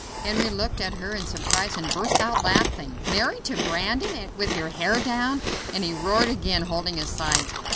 Henry looked at her in surprise and then burst out laughing. "Married to Brandon with your hair down?" And he roared again, holding his sides.